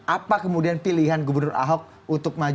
apa kemudian pilihan gubernur ahok untuk maju